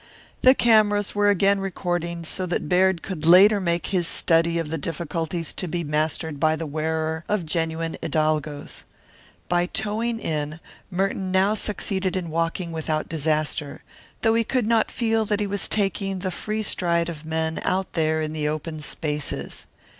The cameras were again recording so that Baird could later make his study of the difficulties to be mastered by the wearer of genuine hidalgos. By toeing in Merton now succeeded in walking without disaster, though he could not feel that he was taking the free stride of men out there in the open spaces.